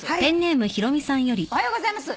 「おはようございます。